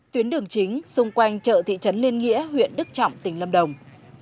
tuyến đường chính xung quanh chợ thị trấn liên nghĩa huyện đức trọng tỉnh lâm đồng